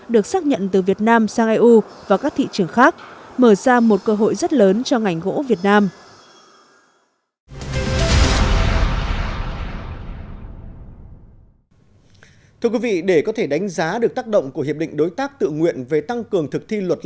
được xác nhận từ việt nam sang eu và các thị trường khác